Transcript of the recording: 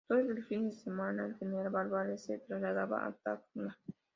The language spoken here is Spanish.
Todos los fines de semana el general Bardales se trasladaba a Tacna.